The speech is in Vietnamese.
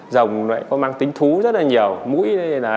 rồng lại có mang tính thú rất là nhiều mũi